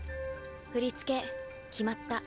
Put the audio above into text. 振り付け決まった。